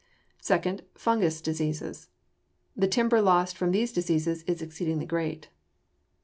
Second, fungous diseases. The timber loss from these diseases is exceedingly great.